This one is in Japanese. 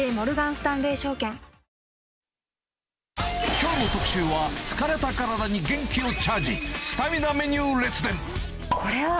きょうの特集は、疲れた体に元気をチャージ、スタミナメニュー列伝。